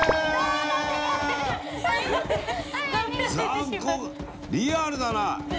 残酷リアルだな。